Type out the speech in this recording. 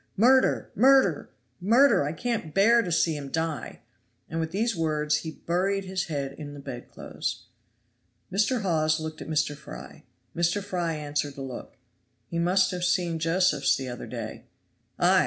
Murder! murder! murder! I can't bear to see him die." And with these words he buried his head in the bedclothes. Mr. Hawes looked at Mr. Fry; Mr. Fry answered the look. "He must have seen Josephs the other day." "Ay!